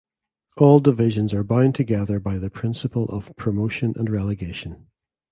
All divisions are bound together by the principle of promotion and relegation.